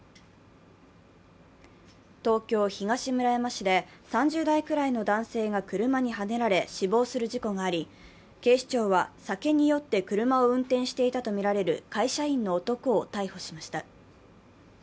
東京・東村山市で３０代ぐらいの男性が車にはねられ、死亡する事故があり、警視庁は、酒に酔って車を運転していたとみられる会社員の男を逮捕しました。